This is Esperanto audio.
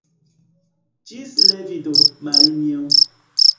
Ĝis revido, Marinjo.